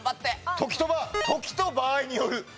時と場合による。